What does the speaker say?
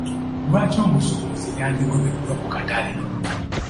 Lwaki omusuubuzi yandigobeddwa mu katale?